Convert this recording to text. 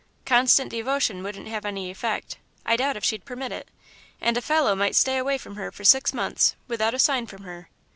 Constant devotion wouldn't have any effect I doubt if she'd permit it; and a fellow might stay away from her for six months, without a sign from her.